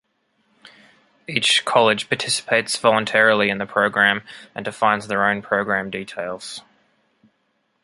Each college participates voluntarily in the program and defines their own program details.